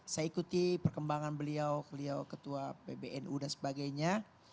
saya ikuti perkembangan beliau beliau ketua pbnu dan sebagainya